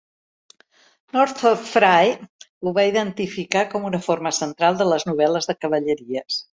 Northrop Frye ho va identificar com una forma central de les novel·les de cavalleries.